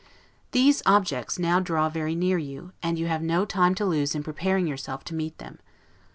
These objects now draw very near you, and you have no time to lose in preparing yourself to meet them.